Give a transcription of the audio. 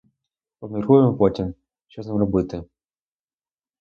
Обміркуємо потім, що з ним робити.